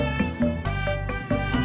isi lah gue